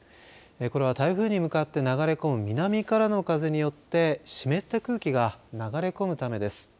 これは台風に向かって流れ込む南からの風によって湿った空気が流れ込むためです。